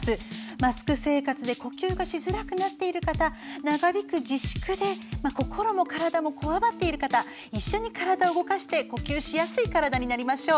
マスク生活で呼吸がしづらくなっている方長引く自粛で心も体もこわばっている方一緒に体を動かして呼吸しやすい体になりましょう。